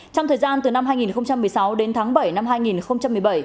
trong thời gian từ năm hai nghìn một mươi sáu đến tháng bảy năm hai nghìn một mươi bảy